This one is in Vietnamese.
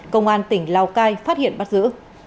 công an tỉnh lào cai phát hiện bắt giữ